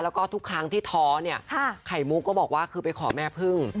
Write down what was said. แล้วก็ทุกครั้งที่ท้อเนี่ยไข่มุกก็บอกว่าคือไปขอแม่พึ่ง